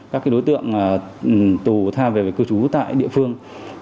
các đối tượng tù tha về cư trú tại địa phương